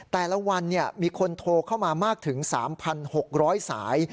แต่ละวันมีคนโทรเข้ามามากถึง๓๖๐๐สาย